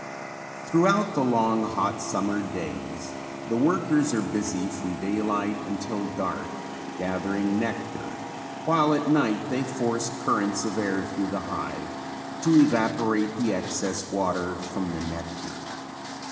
Throughout the long, hot summer days the workers are busy from daylight until dark gathering nectar, while at night they force currents of air thru the hive to evaporate the excess water from the nectar.